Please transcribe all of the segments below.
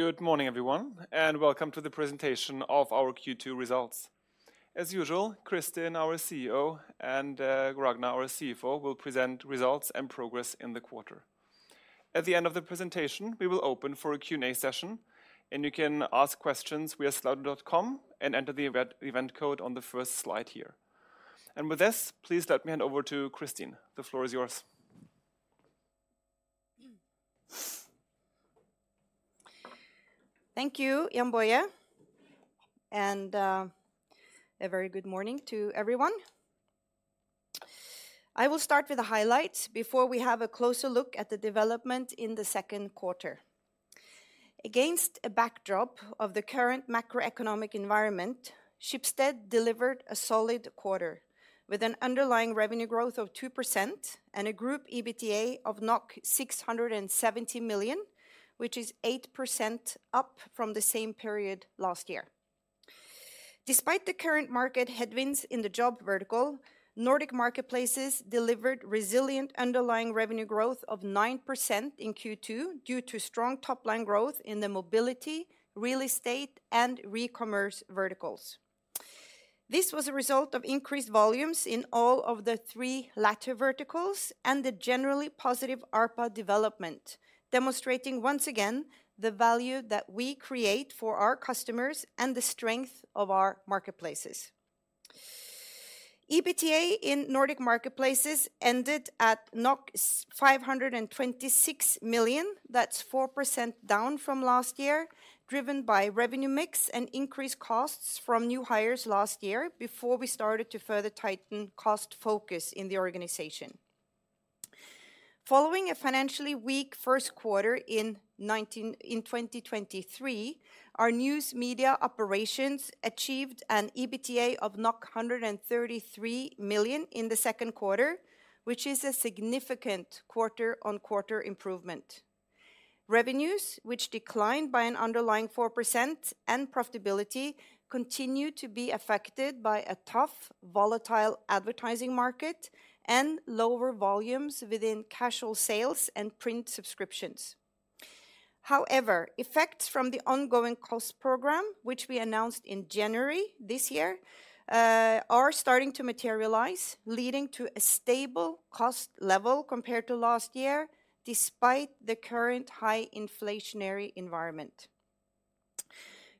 Good morning, everyone, and welcome to the presentation of our Q2 results. As usual, Kristin, our CEO, and Ragnar, our CFO, will present results and progress in the quarter. At the end of the presentation, we will open for a Q&A session, and you can ask questions via slido.com and enter the event code on the first slide here. With this, please let me hand over to Kristin. The floor is yours. Thank you, Jann-Boye, and a very good morning to everyone. I will start with the highlights before we have a closer look at the development in the second quarter. Against a backdrop of the current macroeconomic environment, Schibsted delivered a solid quarter, with an underlying revenue growth of 2% and a group EBITDA of 670 million, which is 8% up from the same period last year. Despite the current market headwinds in the job Nordic Marketplaces delivered resilient underlying revenue growth of 9% in Q2 due to strong top-line growth in the mobility, real estate, and recommerce verticals. This was a result of increased volumes in all of the three latter verticals and the generally positive ARPA development, demonstrating once again the value that we create for our customers and the strength of our marketplaces. EBITDA Nordic Marketplaces ended at 526 million. That's 4% down from last year, driven by revenue mix and increased costs from new hires last year before we started to further tighten cost focus in the organization. Following a financially weak first quarter in 2023, our News Media operations achieved an EBITDA of 133 million in the second quarter, which is a significant quarter-on-quarter improvement. Revenues, which declined by an underlying 4%, and profitability continued to be affected by a tough, volatile advertising market and lower volumes within casual sales and print subscriptions. However, effects from the ongoing cost program, which we announced in January this year, are starting to materialize, leading to a stable cost level compared to last year, despite the current high inflationary environment.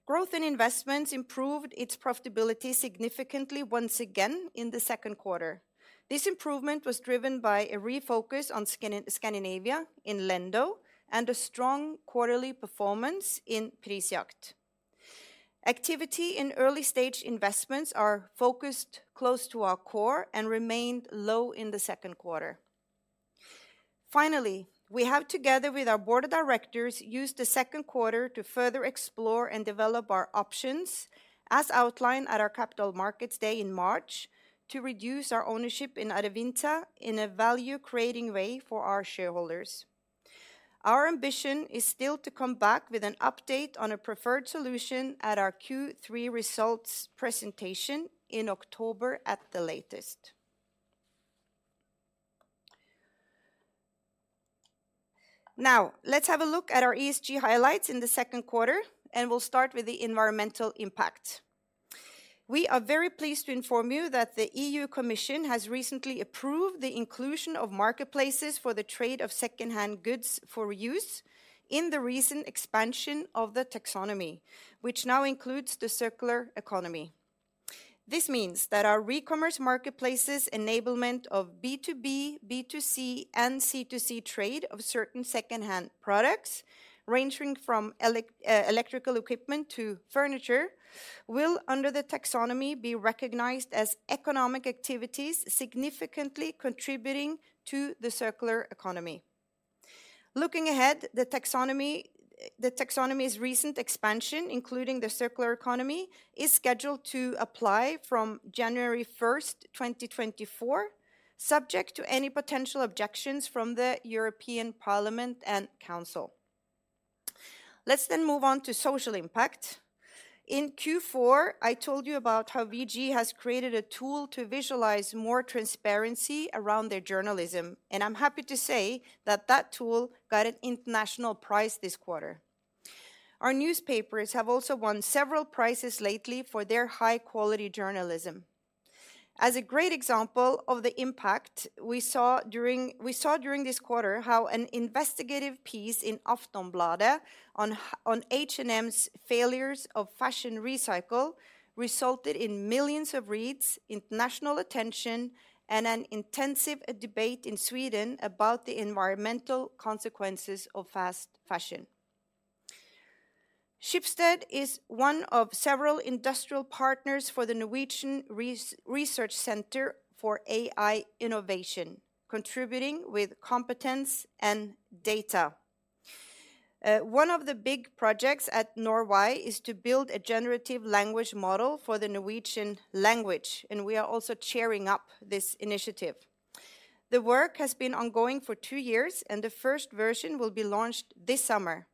Growth in investments improved its profitability significantly once again in the second quarter. This improvement was driven by a refocus on Scandinavia in Lendo and a strong quarterly performance in Prisjakt. Activity in early-stage investments are focused close to our core and remained low in the second quarter. We have, together with our board of directors, used the second quarter to further explore and develop our options, as outlined at our Capital Markets Day in March, to reduce our ownership in Adevinta in a value-creating way for our shareholders. Our ambition is still to come back with an update on a preferred solution at our Q3 results presentation in October at the latest. Let's have a look at our ESG highlights in the second quarter, and we'll start with the environmental impact. We are very pleased to inform you that the EU Commission has recently approved the inclusion of marketplaces for the trade of secondhand goods for reuse in the recent expansion of the taxonomy, which now includes the circular economy. This means that our recommerce marketplaces enablement of B2B, B2C, and C2C trade of certain secondhand products, ranging from electrical equipment to furniture, will, under the taxonomy, be recognized as economic activities, significantly contributing to the circular economy. Looking ahead, the taxonomy's recent expansion, including the circular economy, is scheduled to apply from January 1st, 2024, subject to any potential objections from the European Parliament and Council. Let's move on to social impact. In Q4, I told you about how VG has created a tool to visualize more transparency around their journalism. I'm happy to say that that tool got an international prize this quarter. Our newspapers have also won several prizes lately for their high-quality journalism. As a great example of the impact we saw during this quarter, how an investigative piece in Aftonbladet on H&M's failures of fashion recycle resulted in millions of reads, international attention, and an intensive debate in Sweden about the environmental consequences of fast fashion. Schibsted is one of several industrial partners for the Norwegian Research Center for AI innovation, contributing with competence and data. One of the big projects at NorwAI is to build a generative language model for the Norwegian language. We are also cheering up this initiative. The work has been ongoing for two years, and the first version will be launched this summer.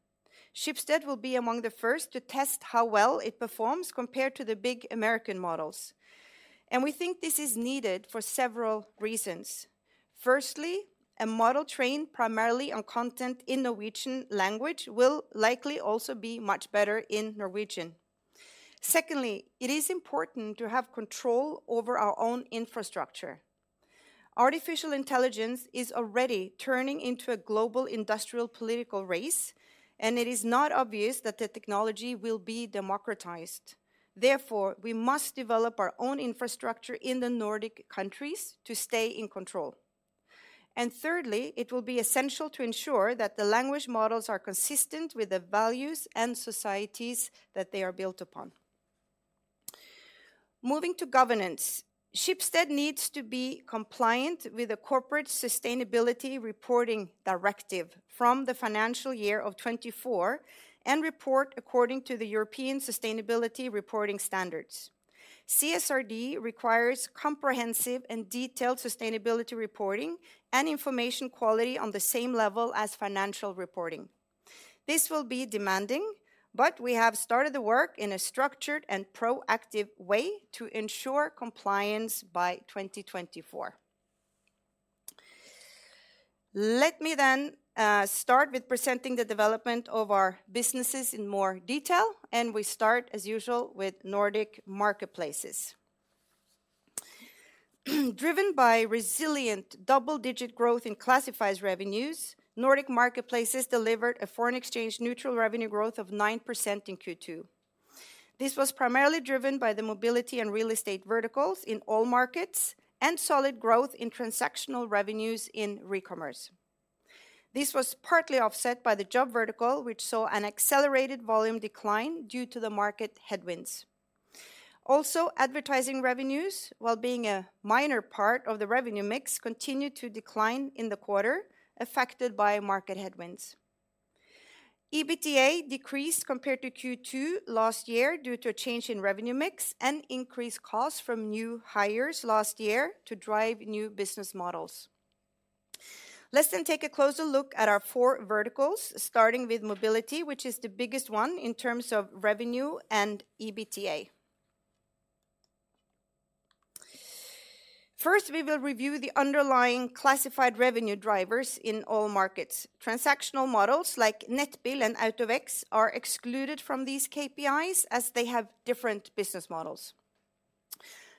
Schibsted will be among the first to test how well it performs compared to the big American models, and we think this is needed for several reasons. Firstly, a model trained primarily on content in Norwegian language will likely also be much better in Norwegian. Secondly, it is important to have control over our own infrastructure. Artificial intelligence is already turning into a global industrial political race, and it is not obvious that the technology will be democratized. Therefore, we must develop our own infrastructure in the Nordic countries to stay in control. Thirdly, it will be essential to ensure that the language models are consistent with the values and societies that they are built upon. Moving to governance, Schibsted needs to be compliant with the Corporate Sustainability Reporting Directive from the financial year of 2024, and report according to the European Sustainability Reporting Standards. CSRD requires comprehensive and detailed sustainability reporting and information quality on the same level as financial reporting. This will be demanding, but we have started the work in a structured and proactive way to ensure compliance by 2024. Let me start with presenting the development of our businesses in more detail, and we start, as usual, Nordic Marketplaces. Driven by resilient double-digit growth in Classifieds Nordic Marketplaces delivered a foreign exchange neutral revenue growth of 9% in Q2. This was primarily driven by the mobility and real estate verticals in all markets, and solid growth in transactional revenues in recommerce. This was partly offset by the job vertical, which saw an accelerated volume decline due to the market headwinds. Advertising revenues, while being a minor part of the revenue mix, continued to decline in the quarter, affected by market headwinds. EBITDA decreased compared to Q2 last year due to a change in revenue mix and increased costs from new hires last year to drive new business models. Let's take a closer look at our four verticals, starting with mobility, which is the biggest one in terms of revenue and EBITDA. First, we will review the underlying classified revenue drivers in all markets. Transactional models like Nettbil and AutoVex are excluded from these KPIs as they have different business models.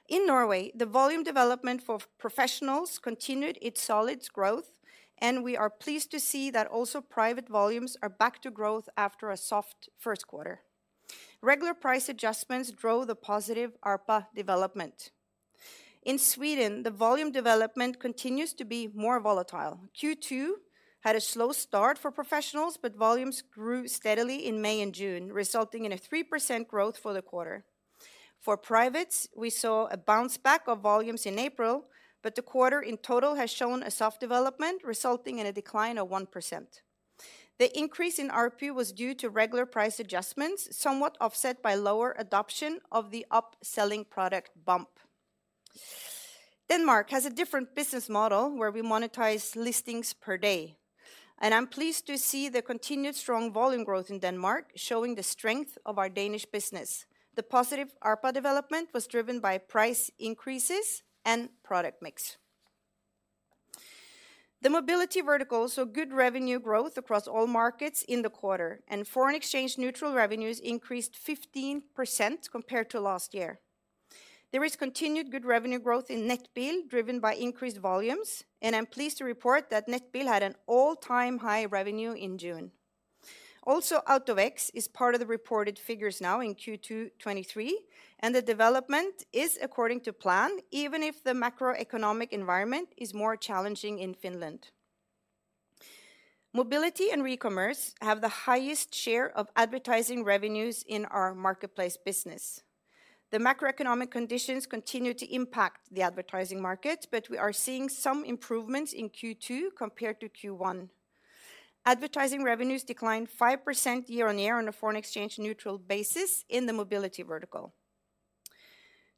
In Norway, the volume development for professionals continued its solid growth. We are pleased to see that also private volumes are back to growth after a soft first quarter. Regular price adjustments drove the positive ARPA development. In Sweden, the volume development continues to be more volatile. Q2 had a slow start for professionals. Volumes grew steadily in May and June, resulting in a 3% growth for the quarter. For privates, we saw a bounce back of volumes in April. The quarter in total has shown a soft development, resulting in a decline of 1%. The increase in ARPU was due to regular price adjustments, somewhat offset by lower adoption of the upselling product bump. Denmark has a different business model where we monetize listings per day, and I'm pleased to see the continued strong volume growth in Denmark, showing the strength of our Danish business. The positive ARPA development was driven by price increases and product mix. The mobility vertical saw good revenue growth across all markets in the quarter, and foreign exchange neutral revenues increased 15% compared to last year. There is continued good revenue growth in Nettbil, driven by increased volumes, and I'm pleased to report that Nettbil had an all-time high revenue in June. AutoVex is part of the reported figures now in Q2 2023, and the development is according to plan, even if the macroeconomic environment is more challenging in Finland. Mobility and recommerce have the highest share of advertising revenues in our marketplace business. The macroeconomic conditions continue to impact the advertising market, but we are seeing some improvements in Q2 compared to Q1. Advertising revenues declined 5% year-on-year on a foreign exchange neutral basis in the mobility vertical.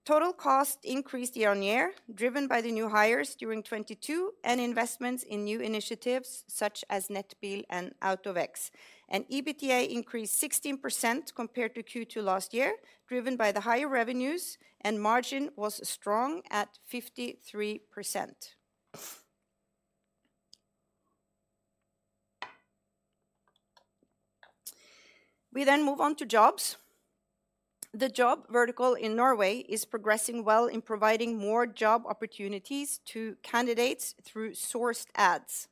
Total cost increased year-on-year, driven by the new hires during 2022 and investments in new initiatives such as Nettbil and AutoVex. EBITDA increased 16% compared to Q2 last year, driven by the higher revenues, and margin was strong at 53%. We move on to jobs. The job vertical in Norway is progressing well in providing more job opportunities to candidates through sourced ads.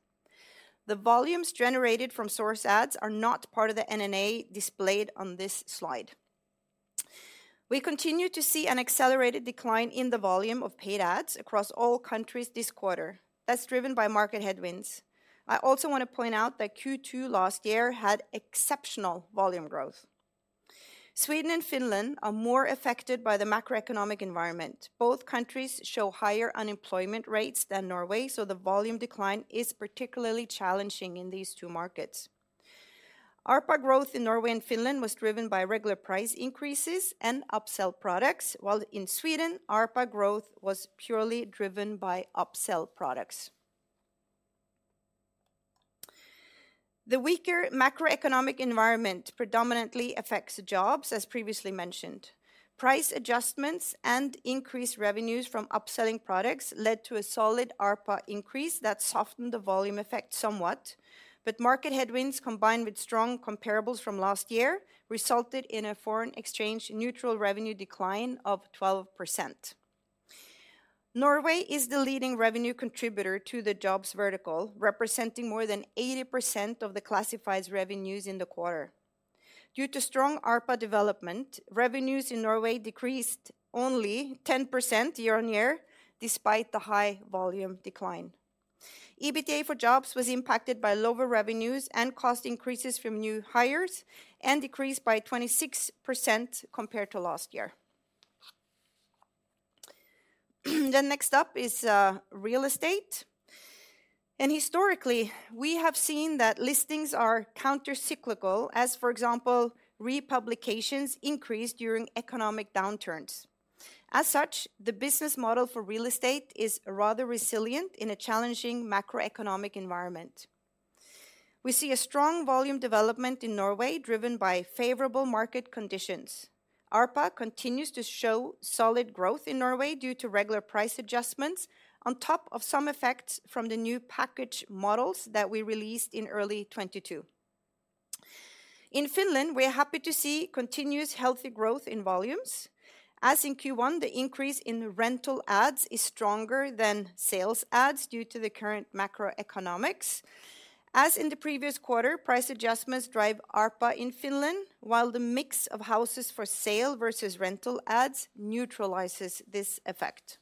The volumes generated from sourced ads are not part of the NNA displayed on this slide. We continue to see an accelerated decline in the volume of paid ads across all countries this quarter. That's driven by market headwinds. I also want to point out that Q2 last year had exceptional volume growth. Sweden and Finland are more affected by the macroeconomic environment. Both countries show higher unemployment rates than Norway. The volume decline is particularly challenging in these two markets. ARPA growth in Norway and Finland was driven by regular price increases and upsell products, while in Sweden, ARPA growth was purely driven by upsell products. The weaker macroeconomic environment predominantly affects jobs, as previously mentioned. Price adjustments and increased revenues from upselling products led to a solid ARPA increase that softened the volume effect somewhat. Market headwinds, combined with strong comparables from last year, resulted in a foreign exchange neutral revenue decline of 12%. Norway is the leading revenue contributor to the jobs vertical, representing more than 80% of the classifieds revenues in the quarter. Due to strong ARPA development, revenues in Norway decreased only 10% year-on-year, despite the high volume decline. EBITDA for jobs was impacted by lower revenues and cost increases from new hires, decreased by 26% compared to last year. Next up is real estate. Historically, we have seen that listings are countercyclical, as, for example, republications increase during economic downturns. As such, the business model for real estate is rather resilient in a challenging macroeconomic environment. We see a strong volume development in Norway, driven by favorable market conditions. ARPA continues to show solid growth in Norway due to regular price adjustments, on top of some effects from the new package models that we released in early 2022. In Finland, we're happy to see continuous healthy growth in volumes. As in Q1, the increase in rental ads is stronger than sales ads due to the current macroeconomics. As in the previous quarter, price adjustments drive ARPA in Finland, while the mix of houses for sale versus rental ads neutralizes this effect.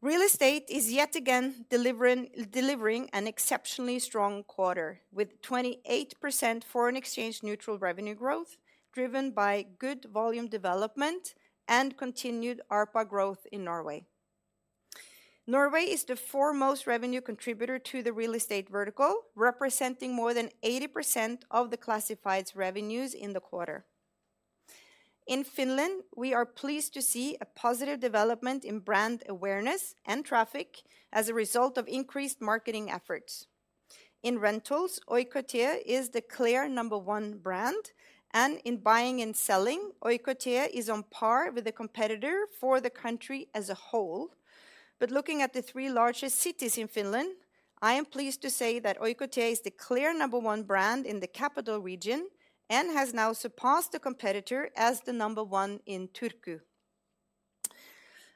Real estate is yet again delivering an exceptionally strong quarter, with 28% foreign exchange neutral revenue growth, driven by good volume development and continued ARPA growth in Norway. Norway is the foremost revenue contributor to the real estate vertical, representing more than 80% of the classified's revenues in the quarter. In Finland, we are pleased to see a positive development in brand awareness and traffic as a result of increased marketing efforts. In rentals, Oikotie is the clear number 1 brand, and in buying and selling, Oikotie is on par with the competitor for the country as a whole. Looking at the three largest cities in Finland, I am pleased to say that Oikotie is the clear number one brand in the capital region and has now surpassed the competitor as the number one in Turku.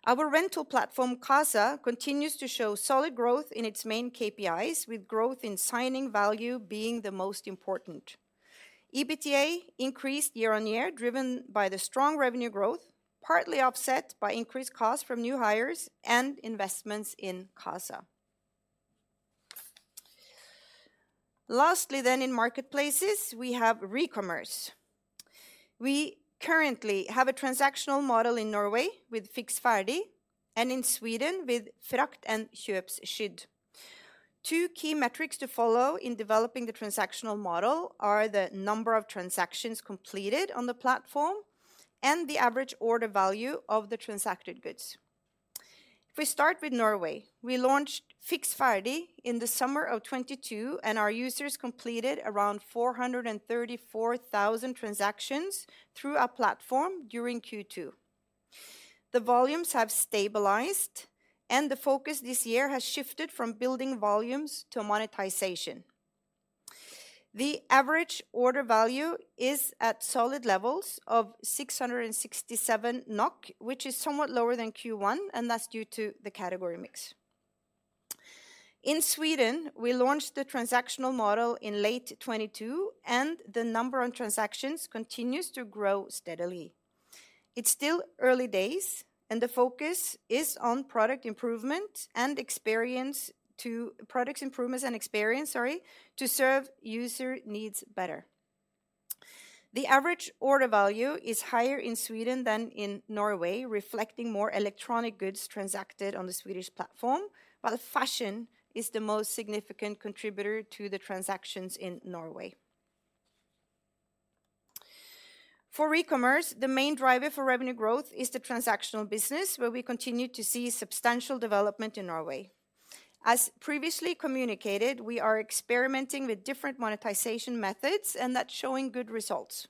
Our rental platform, Qasa, continues to show solid growth in its main KPIs, with growth in signing value being the most important. EBITDA increased year-on-year, driven by the strong revenue growth, partly offset by increased costs from new hires and investments in Qasa. Lastly, in marketplaces, we have recommerce. We currently have a transactional model in Norway with Fiks ferdig, and in Sweden with Frakt med Köpskydd. Two key metrics to follow in developing the transactional model are the number of transactions completed on the platform and the average order value of the transacted goods. We launched Fiks ferdig in the summer of 2022, and our users completed around 434,000 transactions through our platform during Q2. The volumes have stabilized, the focus this year has shifted from building volumes to monetization. The average order value is at solid levels of 667 NOK, which is somewhat lower than Q1, that's due to the category mix. In Sweden, we launched the transactional model in late 2022, the number on transactions continues to grow steadily. It's still early days, the focus is on product improvements and experience, sorry, to serve user needs better. The average order value is higher in Sweden than in Norway, reflecting more electronic goods transacted on the Swedish platform, while fashion is the most significant contributor to the transactions in Norway. For recommerce, the main driver for revenue growth is the transactional business, where we continue to see substantial development in Norway. As previously communicated, we are experimenting with different monetization methods, and that's showing good results.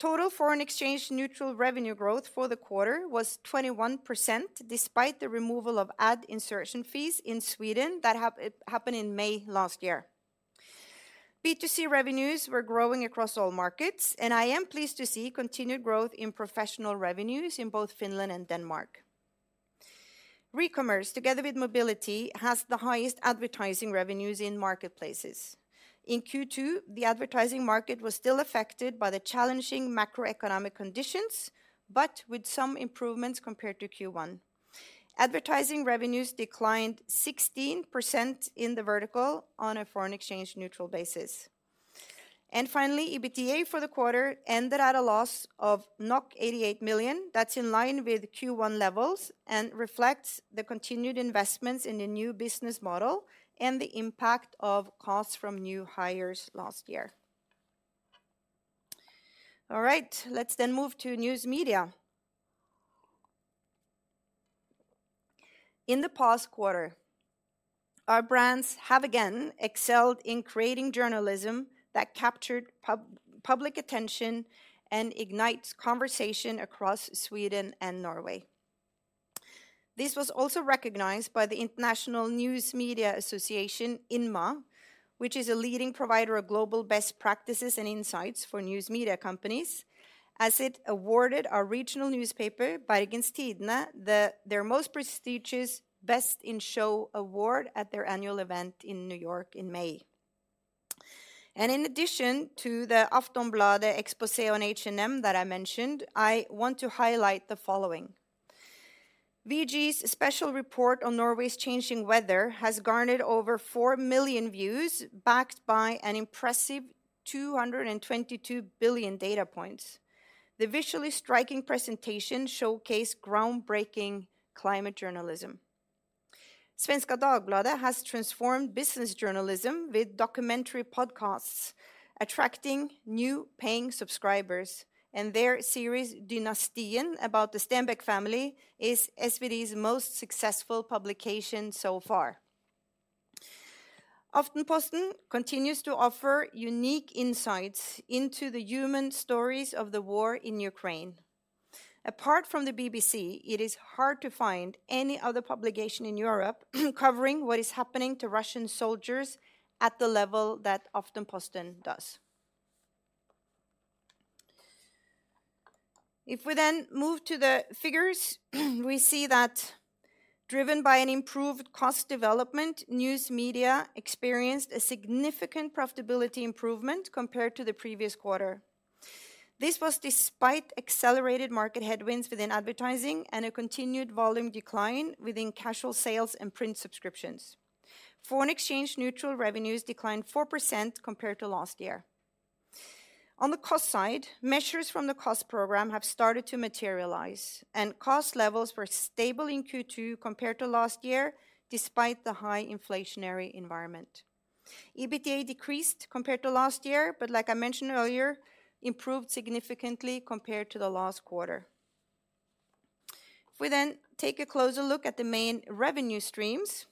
Total foreign exchange neutral revenue growth for the quarter was 21%, despite the removal of ad insertion fees in Sweden that happened in May last year. B2C revenues were growing across all markets, and I am pleased to see continued growth in professional revenues in both Finland and Denmark. Recommerce, together with mobility, has the highest advertising revenues in marketplaces. In Q2, the advertising market was still affected by the challenging macroeconomic conditions, but with some improvements compared to Q1. Advertising revenues declined 16% in the vertical on a foreign exchange neutral basis. Finally, EBITDA for the quarter ended at a loss of 88 million. That's in line with Q1 levels and reflects the continued investments in the new business model and the impact of costs from new hires last year. Let's move to news media. In the past quarter, our brands have again excelled in creating journalism that captured public attention and ignites conversation across Sweden and Norway. This was also recognized by the International News Media Association, INMA, which is a leading provider of global best practices and insights for news media companies, as it awarded our regional newspaper, Bergens Tidende, their most prestigious Best in Show award at their annual event in New York in May. In addition to the Aftonbladet exposé on H&M that I mentioned, I want to highlight the following: VG's special report on Norway's changing weather has garnered over 4 million views, backed by an impressive 222 billion data points. The visually striking presentation showcased groundbreaking climate journalism. Svenska Dagbladet has transformed business journalism with documentary podcasts, attracting new paying subscribers, and their series, Dynastin, about the Stenbeck family, is SvD's most successful publication so far. Aftenposten continues to offer unique insights into the human stories of the war in Ukraine. Apart from the BBC, it is hard to find any other publication in Europe covering what is happening to Russian soldiers at the level that Aftenposten does. If we move to the figures, we see that driven by an improved cost development, News Media experienced a significant profitability improvement compared to the previous quarter. This was despite accelerated market headwinds within advertising and a continued volume decline within casual sales and print subscriptions. Foreign exchange neutral revenues declined 4% compared to last year. On the cost side, measures from the cost program have started to materialize, and cost levels were stable in Q2 compared to last year, despite the high inflationary environment. EBITDA decreased compared to last year, but like I mentioned earlier, improved significantly compared to the last quarter. If we take a closer look at the main revenue streams,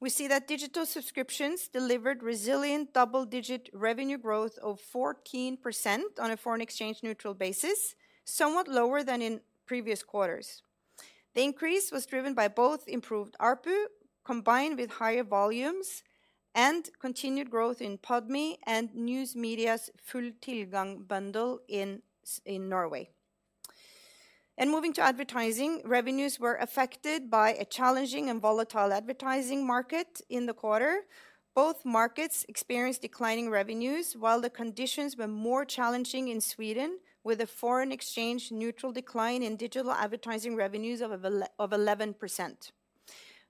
we see that digital subscriptions delivered resilient double-digit revenue growth of 14% on a foreign exchange neutral basis, somewhat lower than in previous quarters. The increase was driven by both improved ARPU, combined with higher volumes and continued growth in Podme and news media's Full Tilgang bundle in Norway. Moving to advertising, revenues were affected by a challenging and volatile advertising market in the quarter. Both markets experienced declining revenues, while the conditions were more challenging in Sweden, with a foreign exchange neutral decline in digital advertising revenues of 11%.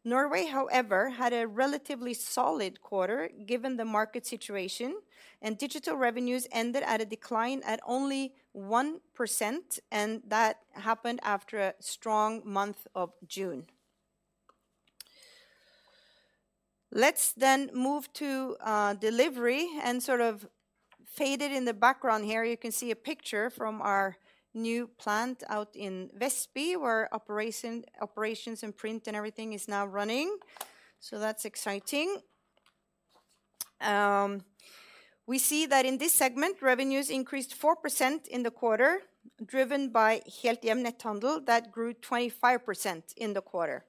Norway, however, had a relatively solid quarter, given the market situation, and digital revenues ended at a decline at only 1%, and that happened after a strong month of June. Let's move to delivery, and sort of faded in the background here, you can see a picture from our new plant out in Vestby, where operations and print and everything is now running. That's exciting. We see that in this segment, revenues increased 4% in the quarter, driven by Helthjem Netthandel. That grew 25% in the quarter,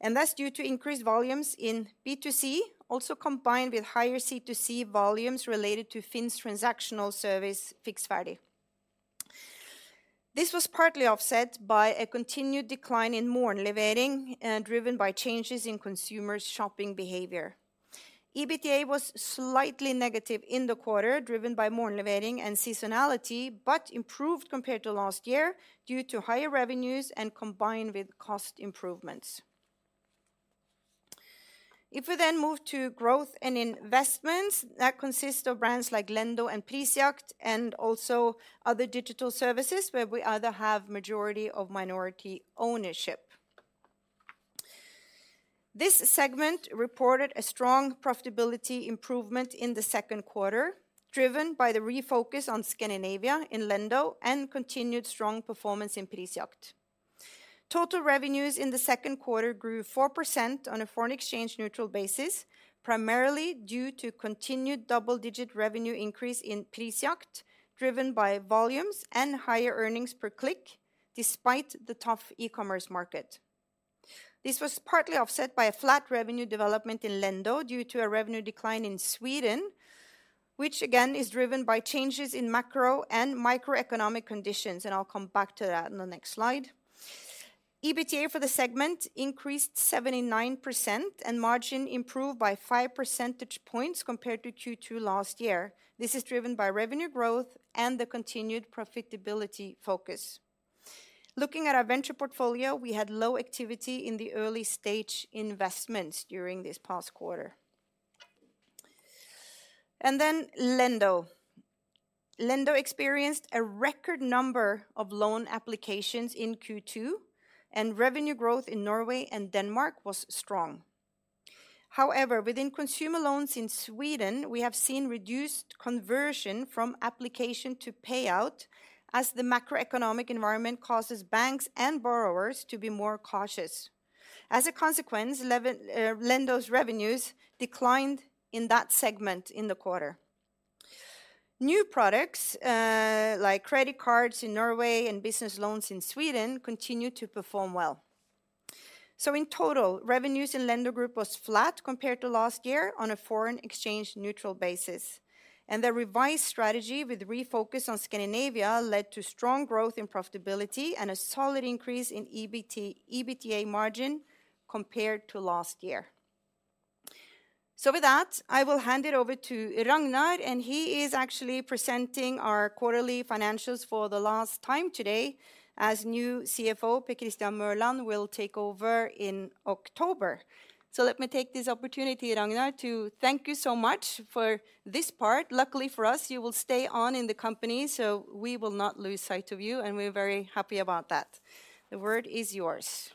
and that's due to increased volumes in B2C, also combined with higher C2C volumes related to FINN's transactional service, Fiks ferdig. This was partly offset by a continued decline in Morgenlevering, driven by changes in consumers' shopping behavior. EBITDA was slightly negative in the quarter, driven by Morgenlevering and seasonality, but improved compared to last year due to higher revenues and combined with cost improvements. If we then move to growth and investments, that consists of brands like Lendo and Prisjakt, and also other digital services, where we either have majority of minority ownership. This segment reported a strong profitability improvement in the second quarter, driven by the refocus on Scandinavia in Lendo and continued strong performance in Prisjakt. Total revenues in the second quarter grew 4% on a foreign exchange neutral basis, primarily due to continued double-digit revenue increase in Prisjakt, driven by volumes and higher earnings per click despite the tough e-commerce market. This was partly offset by a flat revenue development in Lendo due to a revenue decline in Sweden, which again, is driven by changes in macro and microeconomic conditions, and I'll come back to that in the next slide. EBITDA for the segment increased 79%, and margin improved by five percentage points compared to Q2 last year. This is driven by revenue growth and the continued profitability focus. Looking at our venture portfolio, we had low activity in the early stage investments during this past quarter. Lendo. Lendo experienced a record number of loan applications in Q2, and revenue growth in Norway and Denmark was strong. However, within consumer loans in Sweden, we have seen reduced conversion from application to payout, as the macroeconomic environment causes banks and borrowers to be more cautious. As a consequence, Lendo's revenues declined in that segment in the quarter. New products, like credit cards in Norway and business loans in Sweden, continue to perform well. In total, revenues in Lendo Group was flat compared to last year on a foreign exchange neutral basis. The revised strategy with refocus on Scandinavia led to strong growth in profitability and a solid increase in EBITDA margin compared to last year. With that, I will hand it over to Ragnar, and he is actually presenting our quarterly financials for the last time today, as new CFO, Per Christian Mørland, will take over in October. Let me take this opportunity, Ragnar, to thank you so much for this part. Luckily for us, you will stay on in the company, so we will not lose sight of you, and we're very happy about that. The word is yours.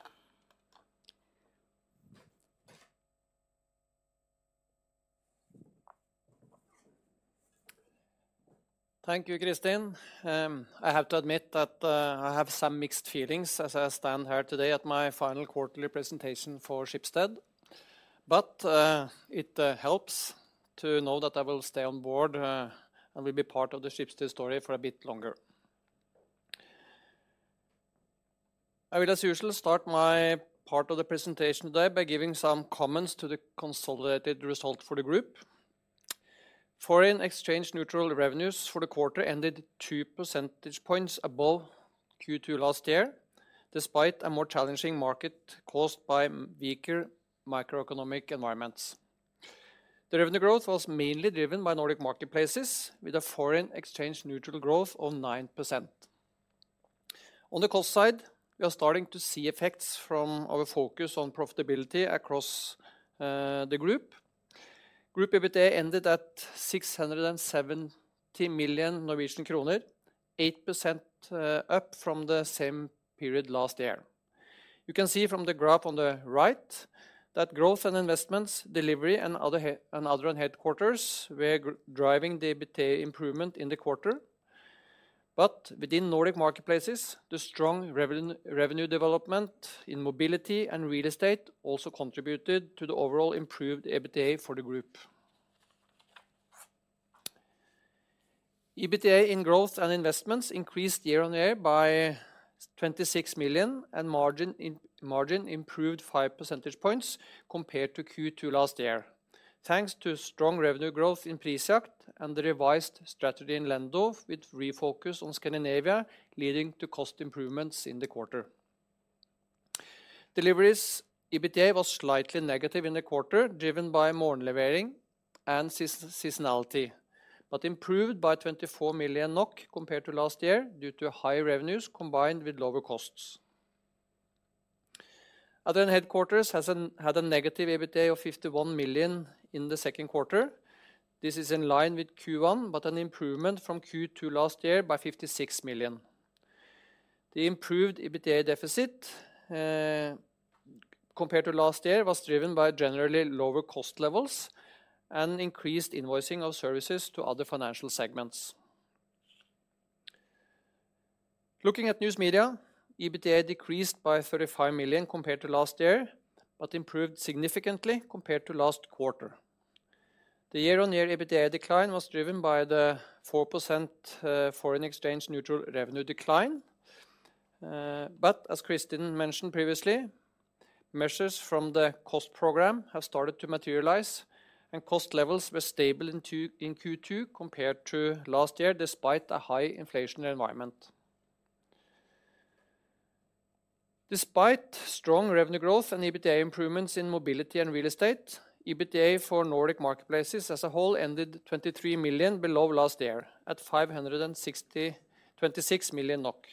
Thank you, Kristin. I have to admit that I have some mixed feelings as I stand here today at my final quarterly presentation for Schibsted. It helps to know that I will stay on board and will be part of the Schibsted story for a bit longer. I will, as usual, start my part of the presentation today by giving some comments to the consolidated result for the group. Foreign exchange neutral revenues for the quarter ended 2 percentage points above Q2 last year, despite a more challenging market caused by weaker macroeconomic environments. The revenue growth was mainly driven Nordic Marketplaces, with a foreign exchange neutral growth of 9%. On the cost side, we are starting to see effects from our focus on profitability across the group. Group EBITDA ended at 670 million Norwegian kroner, 8% up from the same period last year. You can see from the graph on the right, that growth and investments, delivery, and other headquarters were driving the EBITDA improvement in the quarter. Nordic Marketplaces, the strong revenue development in mobility and real estate also contributed to the overall improved EBITDA for the group. EBITDA in growth and investments increased year-on-year by 26 million, and margin improved 5 percentage points compared to Q2 last year, thanks to strong revenue growth in Prisjakt and the revised strategy in Lendo, with refocus on Scandinavia, leading to cost improvements in the quarter. Deliveries EBITDA was slightly negative in the quarter, driven by Morgenlevering and seasonality, improved by 24 million NOK compared to last year due to higher revenues combined with lower costs. Other headquarters had a negative EBITDA of 51 million in the second quarter. This is in line with Q1, an improvement from Q2 last year by 56 million. The improved EBITDA deficit, compared to last year, was driven by generally lower cost levels and increased invoicing of services to other financial segments. Looking at News Media, EBITDA decreased by 35 million compared to last year, improved significantly compared to last quarter. The year-on-year EBITDA decline was driven by the 4% foreign exchange neutral revenue decline. As Kristin mentioned previously, measures from the cost program have started to materialize, and cost levels were stable in Q2 compared to last year, despite a high inflationary environment. Despite strong revenue growth and EBITDA improvements in mobility and real estate, EBITDA Nordic Marketplaces as a whole ended 23 million below last year at 526 million NOK.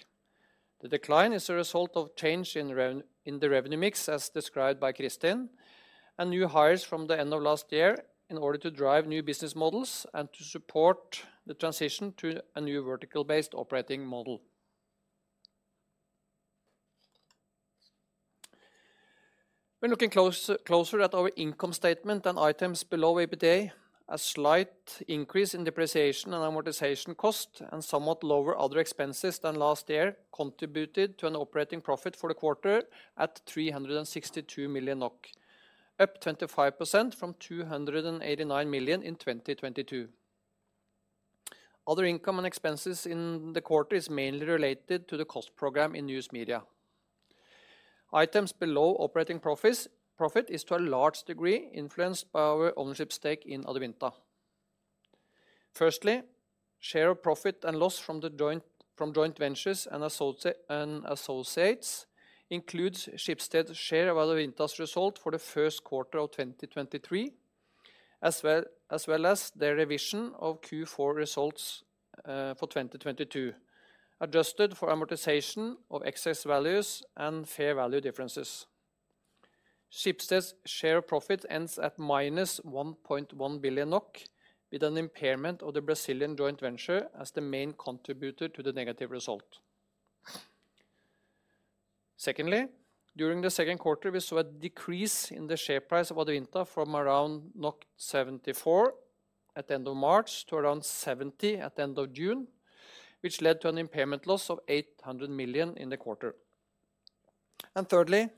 The decline is a result of change in the revenue mix, as described by Kristin, and new hires from the end of last year in order to drive new business models and to support the transition to a new vertical-based operating model. When looking closer at our income statement and items below EBITDA, a slight increase in depreciation and amortization cost and somewhat lower other expenses than last year contributed to an operating profit for the quarter at 362 million NOK, up 25% from 289 million in 2022. Other income and expenses in the quarter is mainly related to the cost program in News Media. Items below operating profit is, to a large degree, influenced by our ownership stake in Adevinta. Share of profit and loss from joint ventures and associates includes Schibsted's share of Adevinta's result for the first quarter of 2023, as well as their revision of Q4 results for 2022, adjusted for amortization of excess values and fair value differences. Schibsted's share of profit ends at minus 1.1 billion NOK, with an impairment of the Brazilian joint venture as the main contributor to the negative result. Secondly, during the second quarter, we saw a decrease in the share price of Adevinta from around 74 at the end of March to around 70 at the end of June, which led to an impairment loss of 800 million in the quarter. Thirdly,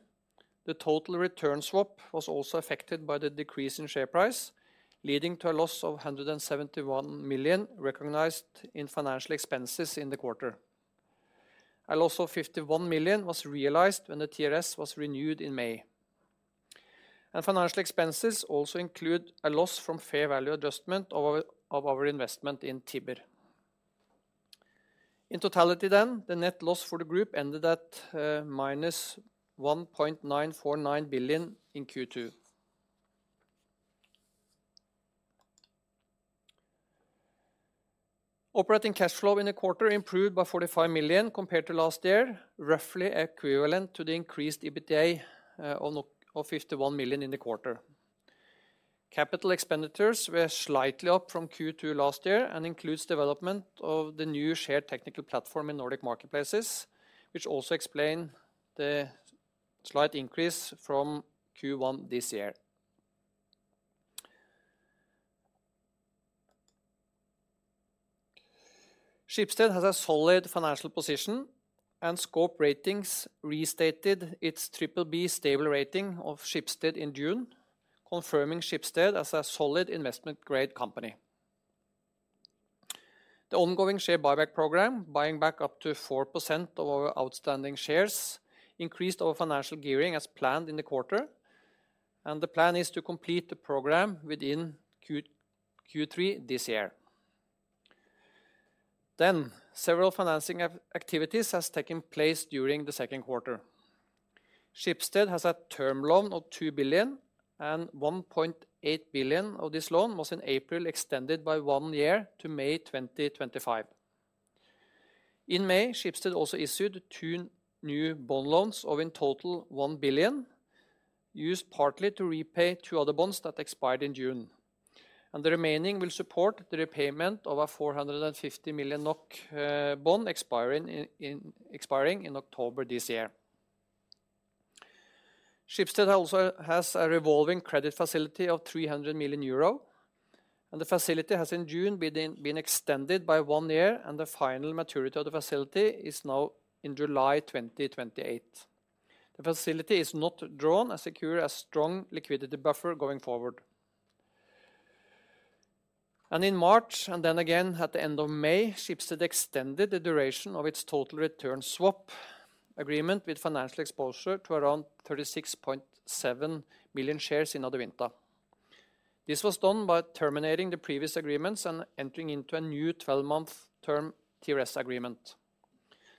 the total return swap was also affected by the decrease in share price, leading to a loss of 171 million recognized in financial expenses in the quarter. A loss of 51 million was realized when the TRS was renewed in May. Financial expenses also include a loss from fair value adjustment of our investment in Tibber. In totality, the net loss for the group ended at minus NOK 1.949 billion in Q2. Operating cash flow in the quarter improved by 45 million compared to last year, roughly equivalent to the increased EBITDA of 51 million in the quarter. Capital expenditures were slightly up from Q2 last year and includes development of the new shared technical platform Nordic Marketplaces, which also explain the slight increase from Q1 this year. Schibsted has a solid financial position, and Scope Ratings restated its BBB/Stable rating of Schibsted in June, confirming Schibsted as a solid investment-grade company. The ongoing share buyback program, buying back up to 4% of our outstanding shares, increased our financial gearing as planned in the quarter. The plan is to complete the program within Q3 this year. Several financing of activities has taken place during the second quarter. Schibsted has a term loan of 2 billion, and 1.8 billion of this loan was in April, extended by 1 year to May 2025. In May, Schibsted also issued two new bond loans of in total 1 billion, used partly to repay two other bonds that expired in June. The remaining will support the repayment of a 450 million NOK bond expiring in October this year. Schibsted also has a revolving credit facility of 300 million euro, and the facility has in June been extended by one year, and the final maturity of the facility is now in July 2028. The facility is not drawn and secure a strong liquidity buffer going forward. In March, and then again, at the end of May, Schibsted extended the duration of its total return swap agreement with financial exposure to around 36.7 million shares in Adevinta. This was done by terminating the previous agreements and entering into a new 12-month term TRS agreement.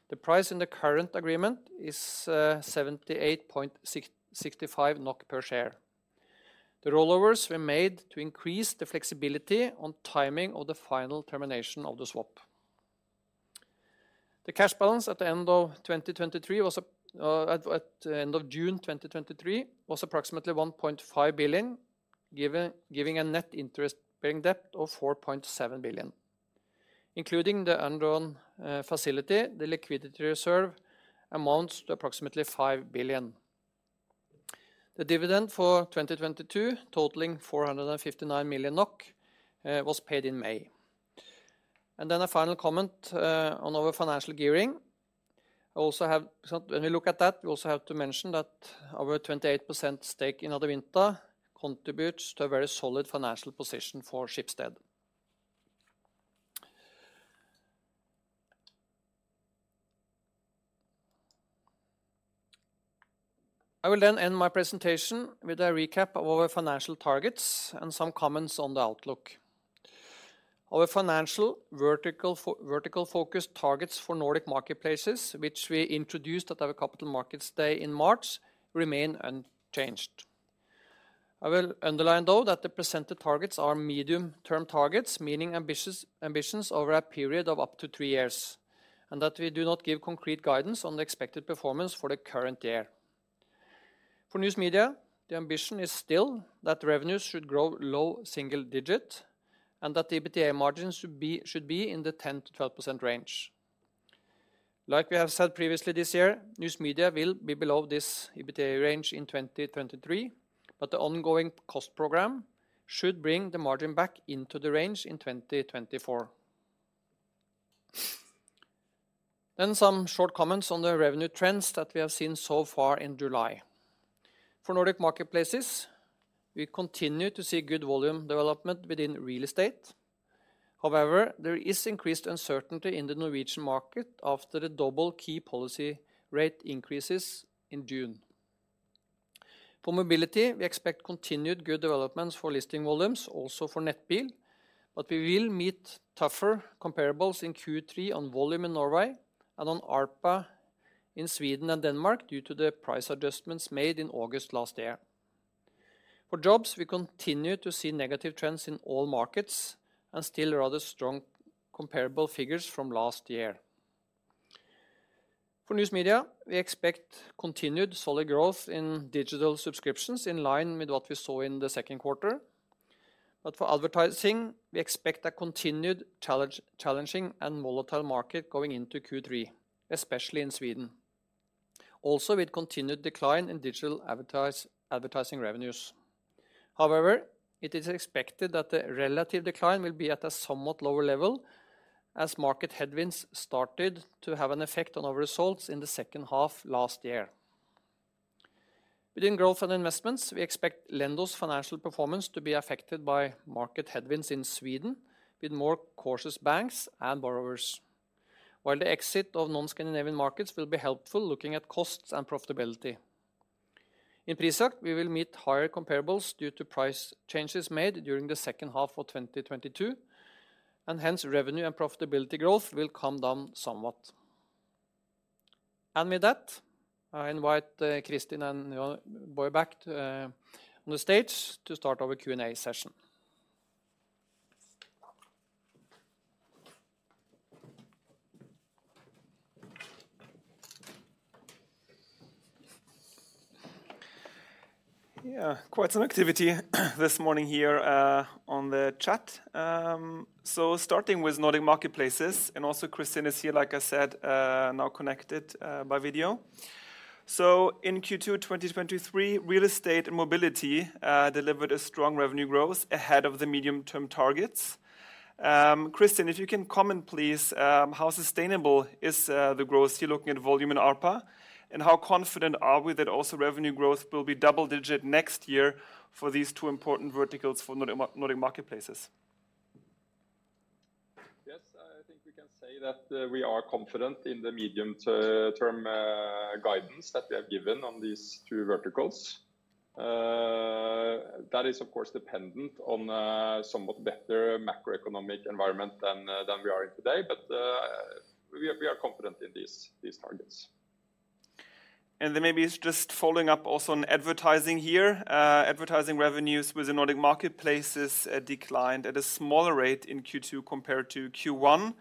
The price in the current agreement is 78.65 NOK per share. The rollovers were made to increase the flexibility on timing of the final termination of the swap. The cash balance at the end of June 2023 was approximately 1.5 billion, giving a net interest bearing debt of 4.7 billion. Including the undrawn facility, the liquidity reserve amounts to approximately 5 billion. The dividend for 2022, totaling 459 million NOK, was paid in May. A final comment on our financial gearing. When we look at that, we also have to mention that our 28% stake in Adevinta contributes to a very solid financial position for Schibsted. I will end my presentation with a recap of our financial targets and some comments on the outlook. Our financial vertical focus targets Nordic Marketplaces, which we introduced at our Capital Markets Day in March, remain unchanged. I will underline, though, that the presented targets are medium-term targets, meaning ambitious ambitions over a period of up to three years, and that we do not give concrete guidance on the expected performance for the current year. For News Media, the ambition is still that revenues should grow low single digit, and that the EBITDA margin should be in the 10%-12% range. Like we have said previously this year, News Media will be below this EBITDA range in 2023, the ongoing cost program should bring the margin back into the range in 2024. Some short comments on the revenue trends that we have seen so far in July. Nordic Marketplaces, we continue to see good volume development within real estate. However, there is increased uncertainty in the Norwegian market after the double key policy rate increases in June. For mobility, we expect continued good developments for listing volumes, also for Nettbil, we will meet tougher comparables in Q3 on volume in Norway and on ARPA in Sweden and Denmark due to the price adjustments made in August last year. For jobs, we continue to see negative trends in all markets and still rather strong comparable figures from last year. For news media, we expect continued solid growth in digital subscriptions, in line with what we saw in the second quarter. For advertising, we expect a continued challenging and volatile market going into Q3, especially in Sweden. Also, with continued decline in digital advertising revenues. However, it is expected that the relative decline will be at a somewhat lower level as market headwinds started to have an effect on our results in the second half last year. Within growth and investments, we expect Lendo's financial performance to be affected by market headwinds in Sweden, with more cautious banks and borrowers. While the exit of non-Scandinavian markets will be helpful looking at costs and profitability. In Prisjakt, we will meet higher comparables due to price changes made during the second half of 2022, hence, revenue and profitability growth will come down somewhat. With that, I invite, Kristin and Jann-Boje back to, on the stage to start our Q&A session. Yeah, quite some activity this morning here on the chat. Starting Nordic Marketplaces, and also Kristin is here, like I said, now connected by video. In Q2 2023, real estate and mobility delivered a strong revenue growth ahead of the medium-term targets. Kristin, if you can comment, please, how sustainable is the growth here, looking at volume and ARPA? How confident are we that also revenue growth will be double-digit next year for these two important verticals for Nordic Marketplaces? Yes, I think we can say that we are confident in the medium term guidance that we have given on these two verticals. That is, of course, dependent on somewhat better macroeconomic environment than we are in today. We are confident in these targets. Maybe it's just following up also on advertising here. Advertising revenues with Nordic Marketplaces declined at a smaller rate in Q2 compared to Q1.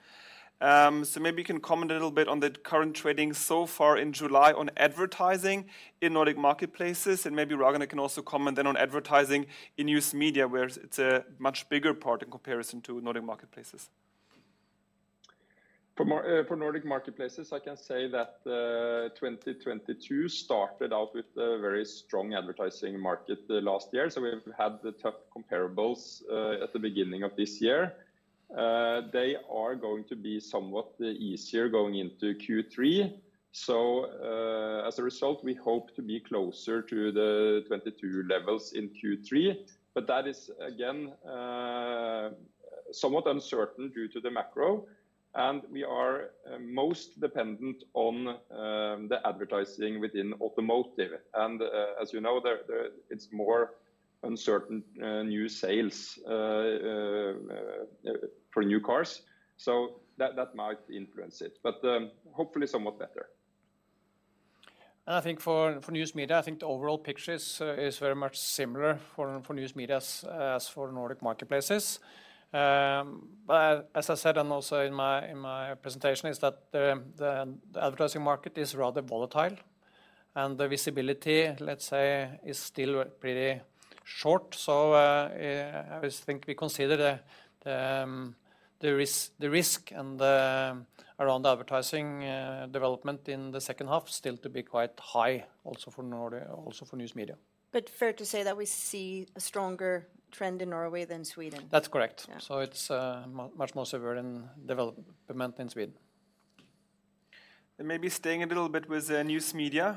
Maybe you can comment a little bit on the current trading so far in July on advertising Nordic Marketplaces. Maybe Ragnar can also comment then on advertising in news media, where it's a much bigger part in comparison to Nordic Marketplaces. Nordic Marketplaces, I can say that 2022 started out with a very strong advertising market the last year, so we've had the tough comparables at the beginning of this year. They are going to be somewhat easier going into Q3. As a result, we hope to be closer to the 2022 levels in Q3. That is, again, somewhat uncertain due to the macro, and we are most dependent on the advertising within automotive. As you know, it's more uncertain new sales for new cars, that might influence it, but hopefully somewhat better. I think for news media, I think the overall pictures is very much similar for news media as Nordic Marketplaces. As I said, and also in my presentation, is that the advertising market is rather volatile, and the visibility, let's say, is still pretty short. I just think we consider the risk and the around advertising development in the second half still to be quite high, also for Nordic, also for news media. Fair to say that we see a stronger trend in Norway than Sweden? That's correct. Yeah. It's much more severe in development in Sweden. Maybe staying a little bit with the news media.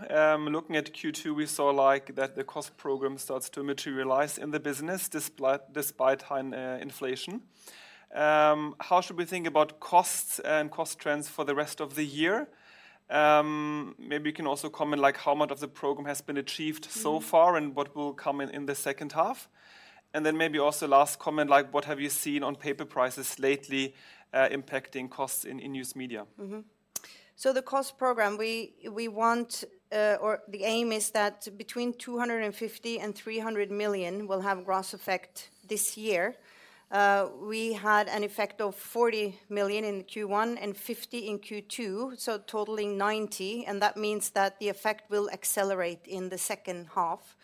Looking at Q2, we saw that the cost program starts to materialize in the business, despite high inflation. How should we think about costs and cost trends for the rest of the year? Maybe you can also comment how much of the program has been achieved so far and what will come in the second half? Then maybe also last comment, like, what have you seen on paper prices lately, impacting costs in news media? The cost program, we want, or the aim is that between 250 million and 300 million will have gross effect this year. We had an effect of 40 million in Q1 and 50 million in Q2, so totaling 90 million, and that means that the effect will accelerate in the second half.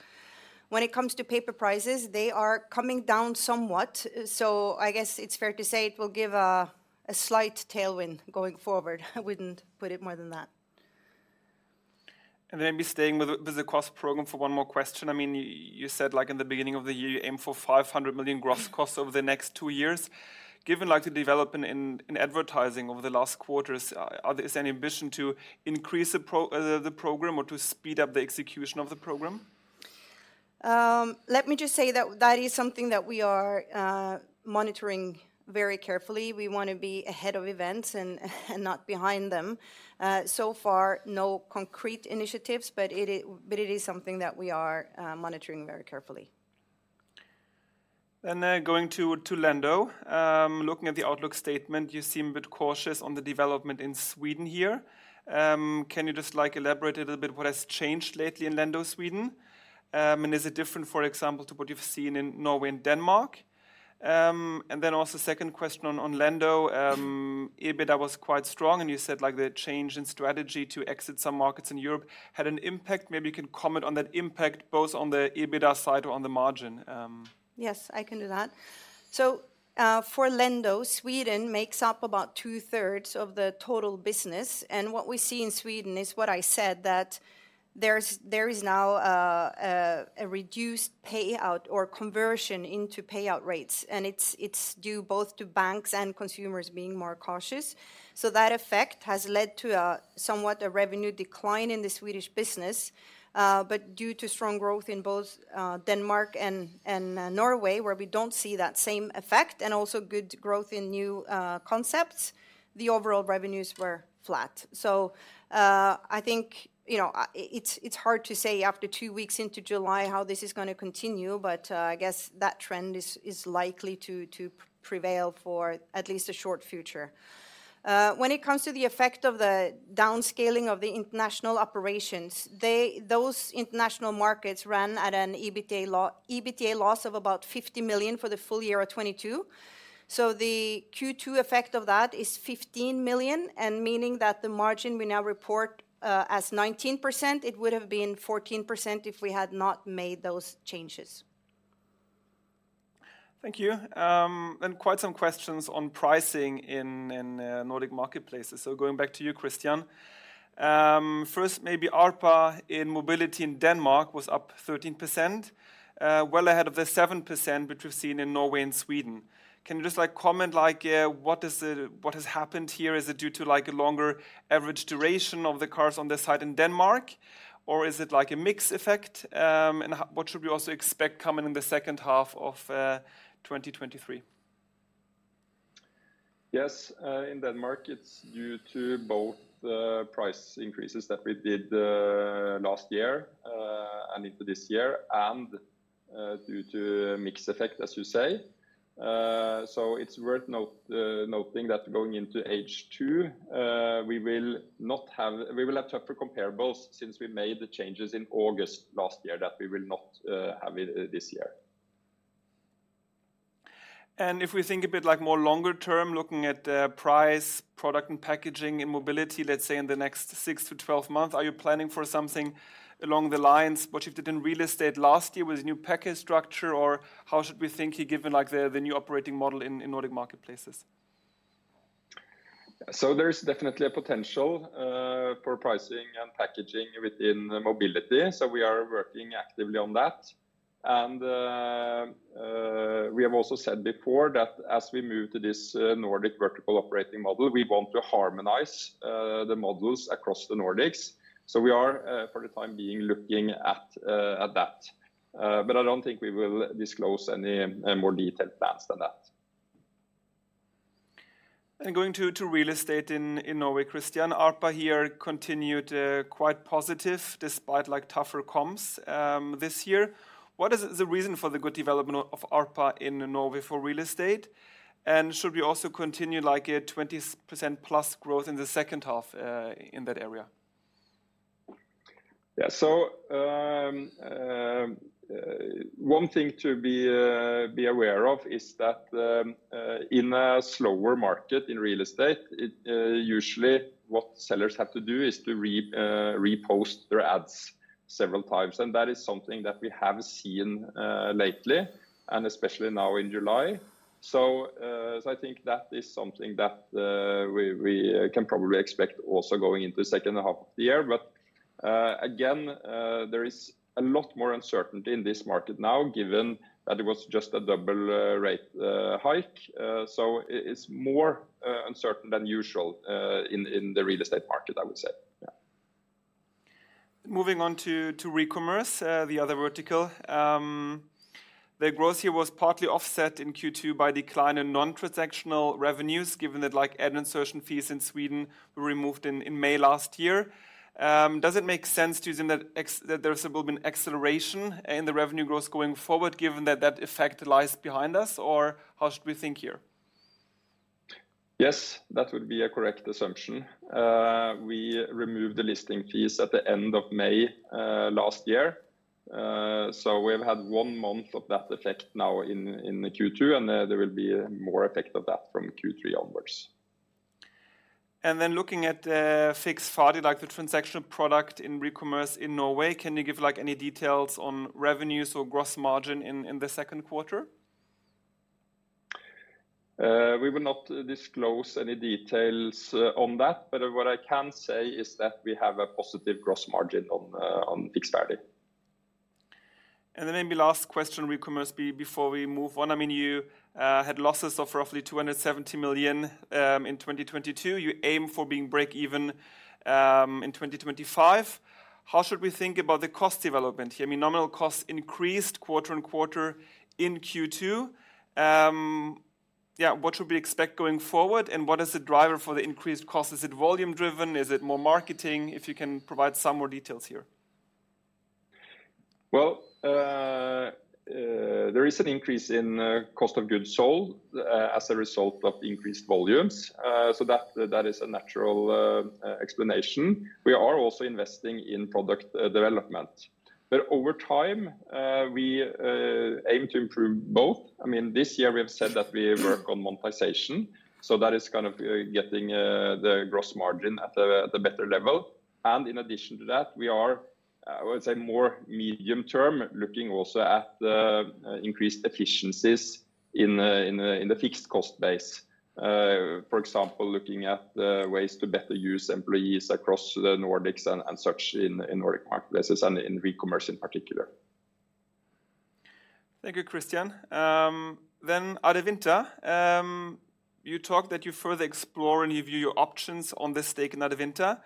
When it comes to paper prices, they are coming down somewhat, so I guess it's fair to say it will give a slight tailwind going forward. I wouldn't put it more than that. Maybe staying with the, with the cost program for one more question. I mean, you said, like, in the beginning of the year, you aim for 500 million gross costs over the next two years. Given, like, the development in advertising over the last quarters, are there any ambition to increase the program or to speed up the execution of the program? Let me just say that that is something that we are monitoring very carefully. We want to be ahead of events and not behind them. So far, no concrete initiatives, but it is something that we are monitoring very carefully. Going to Lendo. Looking at the outlook statement, you seem a bit cautious on the development in Sweden here. Can you just, like, elaborate a little bit what has changed lately in Lendo, Sweden? Is it different, for example, to what you've seen in Norway and Denmark? Also second question on Lendo. EBITDA was quite strong, and you said, like, the change in strategy to exit some markets in Europe had an impact. Maybe you can comment on that impact, both on the EBITDA side or on the margin... Yes, I can do that. For Lendo, Sweden makes up about two-thirds of the total business, and what we see in Sweden is what I said, that there is now a reduced payout or conversion into payout rates, and it's due both to banks and consumers being more cautious. That effect has led to a somewhat a revenue decline in the Swedish business. Due to strong growth in both Denmark and Norway, where we don't see that same effect, and also good growth in new concepts, the overall revenues were flat. I think, you know, it's hard to say after two weeks into July how this is gonna continue, but I guess that trend is likely to prevail for at least a short future. When it comes to the effect of the downscaling of the international operations, those international markets run at an EBITDA loss of about 50 million for the full year of 2022. The Q2 effect of that is 15 million, meaning that the margin we now report as 19%, it would have been 14% if we had not made those changes. Thank you. Quite some questions on pricing Nordic Marketplaces. Going back to you, Christian. First, maybe ARPA in mobility in Denmark was up 13%, well ahead of the 7% which we've seen in Norway and Sweden. Can you just comment what has happened here? Is it due to a longer average duration of the cars on the side in Denmark, or is it a mix effect? What should we also expect coming in the second half of 2023? Yes, in Denmark, it's due to both the price increases that we did last year and into this year, and due to mix effect, as you say. It's worth noting that going into H2, we will have tougher comparables since we made the changes in August last year, that we will not have it this year. If we think a bit more longer term, looking at the price, product, and packaging in mobility, let's say, in the next 6-12 months, are you planning for something along the lines, what you did in real estate last year with new package structure, or how should we think here, given the new operating model in Nordic Marketplaces? There's definitely a potential for pricing and packaging within mobility, so we are working actively on that. We have also said before that as we move to this Nordic vertical operating model, we want to harmonize the models across the Nordics. We are for the time being, looking at that. I don't think we will disclose any more detailed plans than that. Going to real estate in Norway, Christian, ARPA here continued quite positive, despite, like, tougher comps this year. What is the reason for the good development of ARPA in Norway for real estate? Should we also continue, like, a 20% plus growth in the second half in that area? Yeah. One thing to be aware of is that in a slower market in real estate, it usually what sellers have to do is to repost their ads several times, and that is something that we have seen lately, and especially now in July. I think that is something that we can probably expect also going into the second half of the year. Again, there is a lot more uncertainty in this market now, given that it was just a double rate hike. It's more uncertain than usual in the real estate market, I would say. Yeah. Moving on to recommerce, the other vertical. The growth here was partly offset in Q2 by decline in non-transactional revenues, given that ad and insertion fees in Sweden were removed in May last year. Does it make sense to assume that there has been an acceleration in the revenue growth going forward, given that that effect lies behind us, or how should we think here? Yes, that would be a correct assumption. We removed the listing fees at the end of May, last year. We have had one month of that effect now in the Q2, There will be more effect of that from Q3 onwards. Looking at Fiks ferdig, like the transactional product in recommerce in Norway, can you give, like, any details on revenues or gross margin in the second quarter? We will not disclose any details on that, but what I can say is that we have a positive gross margin on Fiks ferdig. Maybe last question, recommerce, before we move on. I mean, you had losses of roughly 270 million in 2022. You aim for being break-even in 2025. How should we think about the cost development here? I mean, nominal costs increased quarter-over-quarter in Q2. Yeah, what should we expect going forward, and what is the driver for the increased cost? Is it volume driven? Is it more marketing? If you can provide some more details here. Well, there is an increase in cost of goods sold as a result of increased volumes. That is a natural explanation. We are also investing in product development. Over time, we aim to improve both. I mean, this year we have said that we work on monetization, so that is kind of getting the gross margin at a better level. In addition to that, I would say more medium term, looking also at the increased efficiencies in the fixed cost base. For example, looking at ways to better use employees across the Nordics and such in Nordic Marketplaces and in recommerce in particular. Thank you, Christian. Adevinta, you talked that you further explore and review your options on this stake in Adevinta.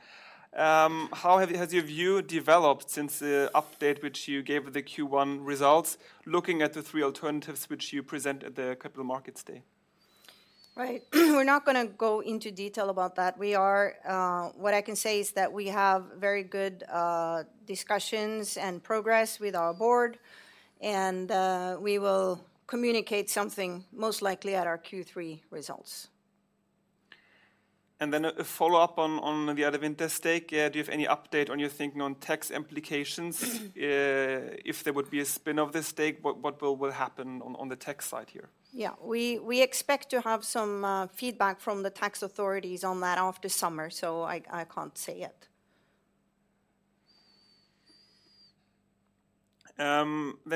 How has your view developed since the update which you gave the Q1 results, looking at the three alternatives which you presented at the Capital Markets Day? Right. We're not gonna go into detail about that. What I can say is that we have very good discussions and progress with our board. We will communicate something most likely at our Q3 results. A follow-up on the Adevinta stake. Do you have any update on your thinking on tax implications? If there would be a spin of this stake, what will happen on the tax side here? Yeah. We expect to have some feedback from the tax authorities on that after summer. I can't say yet.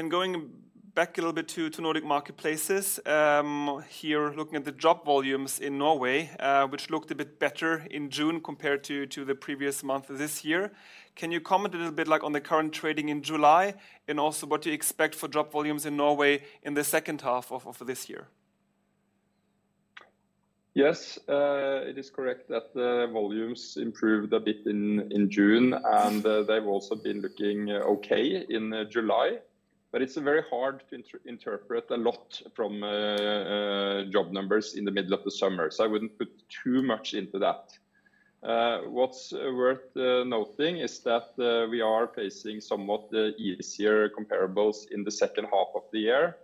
Going back a little bit Nordic Marketplaces, here, looking at the job volumes in Norway, which looked a bit better in June compared to the previous month this year. Can you comment a little bit, like, on the current trading in July, and also what you expect for job volumes in Norway in the second half of this year? Yes, it is correct that the volumes improved a bit in June, and they've also been looking okay in July. It's very hard to interpret a lot from job numbers in the middle of the summer, so I wouldn't put too much into that. What's worth noting is that we are facing somewhat easier comparables in the second half of the year.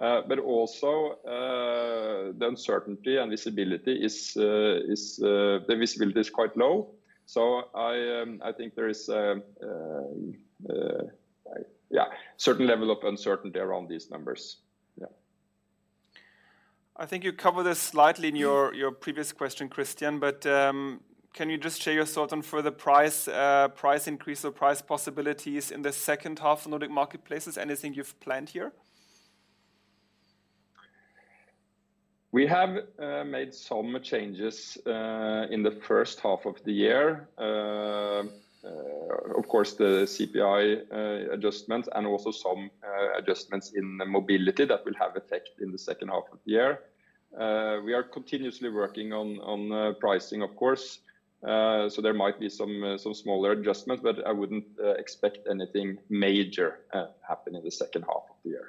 Also, the uncertainty and visibility is, the visibility is quite low. I think there is certain level of uncertainty around these numbers. Yeah. I think you covered this slightly in your previous question, Christian, but can you just share your thought on further price increase or price possibilities in the second half Nordic Marketplaces? Anything you've planned here? We have made some changes in the first half of the year. Of course, the CPI adjustment and also some adjustments in the mobility that will have effect in the second half of the year. We are continuously working on pricing, of course. There might be some smaller adjustments, but I wouldn't expect anything major happen in the second half of the year.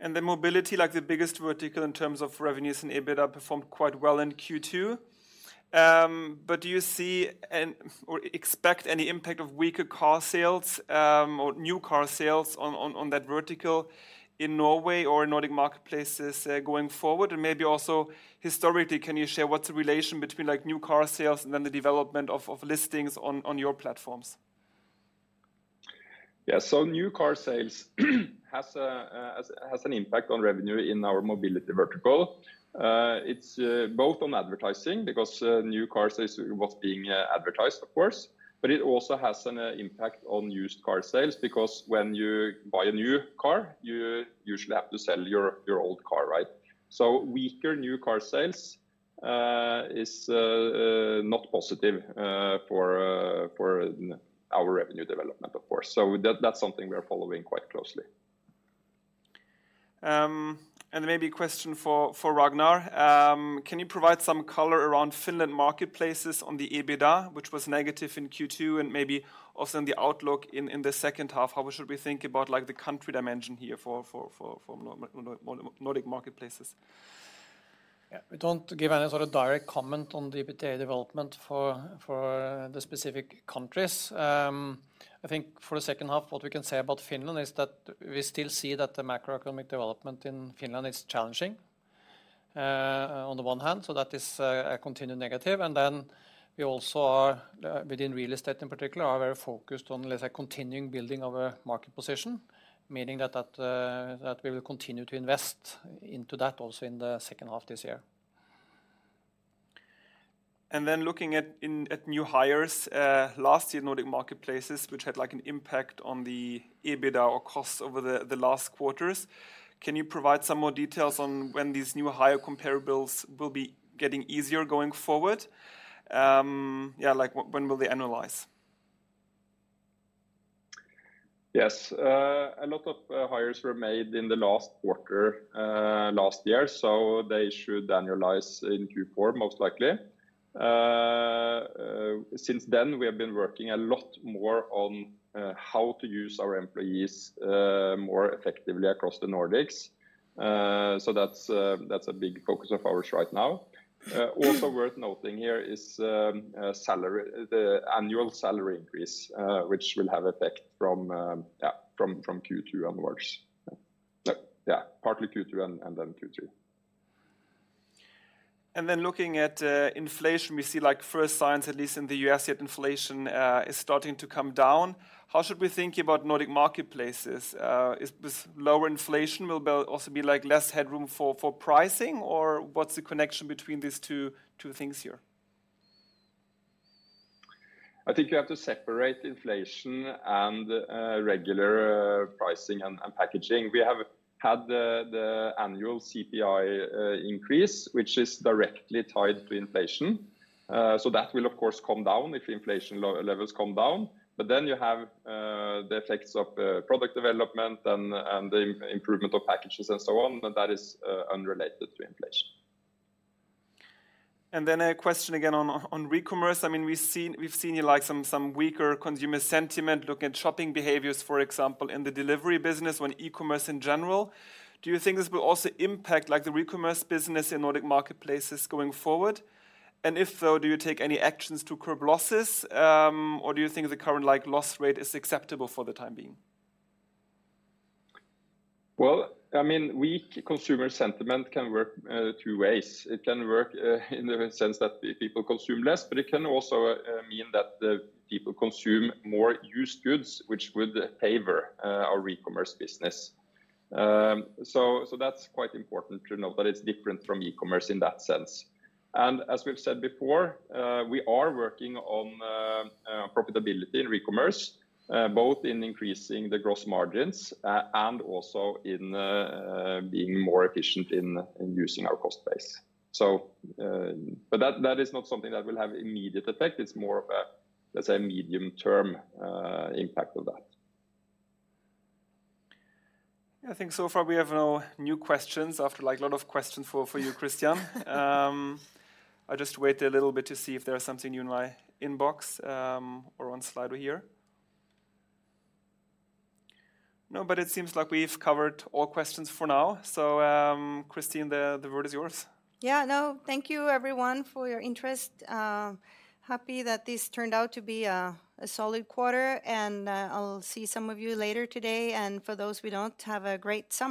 The mobility, like the biggest vertical in terms of revenues and EBITDA, performed quite well in Q2. But do you see or expect any impact of weaker car sales, or new car sales on that vertical in Norway or Nordic Marketplaces, going forward? Maybe also historically, can you share what's the relation between, like, new car sales and the development of listings on your platforms? Yeah. New car sales has an impact on revenue in our mobility vertical. It's both on advertising, because new car sales was being advertised, of course, but it also has an impact on used car sales, because when you buy a new car, you usually have to sell your old car, right? Weaker new car sales is not positive for our revenue development, of course. That's something we are following quite closely. Maybe a question for Ragnar, can you provide some color around Finland Marketplaces on the EBITDA, which was negative in Q2, and maybe also in the outlook in the second half. How should we think about, like, the country dimension here for Nordic Marketplaces? Yeah. We don't give any sort of direct comment on the EBITDA development for the specific countries. I think for the second half, what we can say about Finland is that we still see that the macroeconomic development in Finland is challenging on the one hand, so that is a continued negative. We also are within real estate in particular, are very focused on, let's say, continuing building of a market position, meaning that we will continue to invest into that also in the second half this year. Then looking at new hires, last Nordic Marketplaces, which had, like, an impact on the EBITDA or costs over the last quarters, can you provide some more details on when these new hire comparables will be getting easier going forward? Yeah, like, when will they annualize? Yes. A lot of hires were made in the last quarter, last year, so they should annualize in Q4, most likely. Since then, we have been working a lot more on how to use our employees more effectively across the Nordics. That's a big focus of ours right now. Also worth noting here is salary, the annual salary increase, which will have effect from yeah, from Q2 onwards. Yeah, partly Q2 and then Q3. Looking at inflation, we see like first signs, at least in the U.S., that inflation is starting to come down. How should we think Nordic Marketplaces? Is this lower inflation will be also be like less headroom for pricing, or what's the connection between these two things here? I think you have to separate inflation and regular pricing and packaging. We have had the annual CPI increase, which is directly tied to inflation. That will of course, come down if inflation levels come down. You have the effects of product development and the improvement of packages and so on, and that is unrelated to inflation. A question again on recommerce. I mean, we've seen you like some weaker consumer sentiment, looking at shopping behaviors, for example, in the delivery business when e-commerce in general. Do you think this will also impact, like, the recommerce business Nordic Marketplaces going forward? If so, do you take any actions to curb losses, or do you think the current, like, loss rate is acceptable for the time being? Well, I mean, weak consumer sentiment can work two ways. It can work in the sense that people consume less, but it can also mean that the people consume more used goods, which would favor our recommerce business. That's quite important to know, but it's different from e-commerce in that sense. As we've said before, we are working on profitability in recommerce, both in increasing the gross margins, and also in being more efficient in using our cost base. That is not something that will have immediate effect. It's more of a, let's say, medium-term impact of that. I think so far we have no new questions after, like, a lot of questions for you, Christian. I'll just wait a little bit to see if there is something new in my inbox, or on Slido here. It seems like we've covered all questions for now. Kristin, the word is yours. Yeah, no, thank you everyone for your interest. Happy that this turned out to be a solid quarter, I'll see some of you later today. For those who don't, have a great summer!